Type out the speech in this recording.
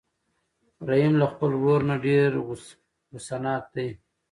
رحیم له خپل ورور نه ډېر غوسه ناک دی.